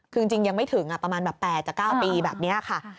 คือจริงยังไม่ถึงประมาณแบบ๘จาก๙ปีแบบนี้ค่ะ